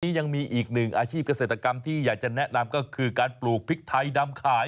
ยังมีอีกหนึ่งอาชีพเกษตรกรรมที่อยากจะแนะนำก็คือการปลูกพริกไทยดำขาย